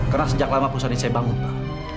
karena sejak lama perusahaan ini saya bangun pak